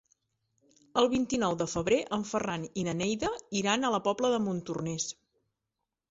El vint-i-nou de febrer en Ferran i na Neida iran a la Pobla de Montornès.